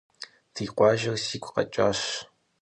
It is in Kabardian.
Ди къуажэр сигу къэкӀащ.